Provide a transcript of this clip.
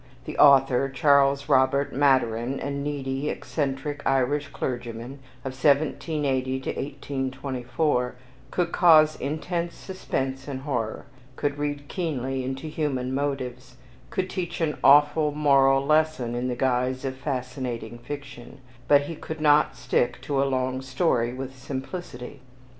The author, Charles Robert Maturin, a needy, eccentric Irish clergyman of 1780 1824, could cause intense suspense and horror could read keenly into human motives could teach an awful moral lesson in the guise of fascinating fiction, but he could not stick to a long story with simplicity.